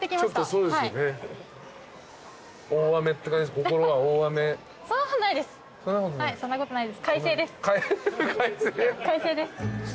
そんなことないです。